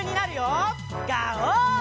ガオー！